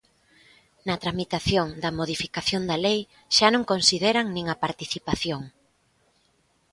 Na tramitación da modificación da lei xa non consideran nin a participación.